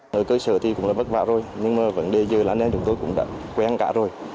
nơi cơ sở thì cũng là bất vả rồi nhưng mà vấn đề dưới lá nén chúng tôi cũng đã quen cả rồi